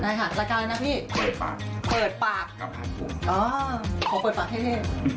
เลยครับแล้วกลายอะไรนะพี่เติบปากเติบปากกับฟางคุมเผาเปิดปากเท่